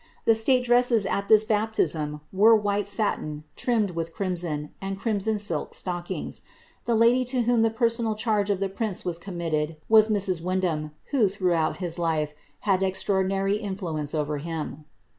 The state dresses at m baptism were white satin trimmed with crimson, and crimson silk Kkings. The lady to whom the personal charge of the prince was ■mitted was Mrs. Wyndham, who, throughout his life, had extraordi ly influence over him.'